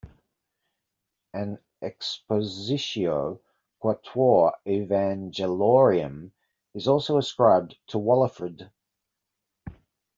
An "Expositio quatuor Evangeliorum" is also ascribed to Walafrid.